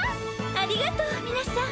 ありがとう皆さん。